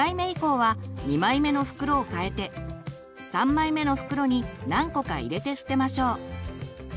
３枚目の袋に何個か入れて捨てましょう。